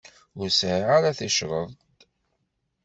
Ur sɛiɣ ara ticreḍt.